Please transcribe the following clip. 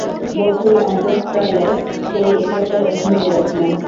বস্তুর অন্তস্তলে সেই একত্ব এখনও বিরাজমান।